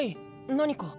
何か？